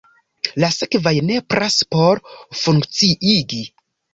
La sekvaj nepras por funkciigi.